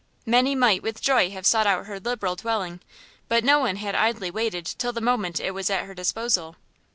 Many might with joy have sought out her liberal dwelling, but no one had idly waited till the moment it was at her disposal.